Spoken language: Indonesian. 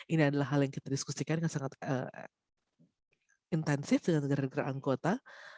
ini adalah hal yang kita diskusikan dengan sangat intensif dengan negara negara anggota